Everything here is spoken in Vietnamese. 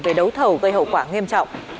về đấu thầu gây hậu quả nghiêm trọng